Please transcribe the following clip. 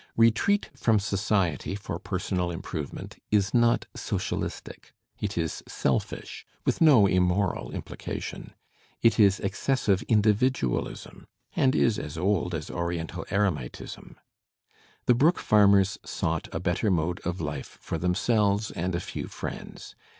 Retreat from society for personal improvement is not socialistic; it is selfish (with no immoral implication); it is excessive individualism and is as old as Oriental eremitism. The Brook Parmers sought a better mode of life for themselves and a few friends.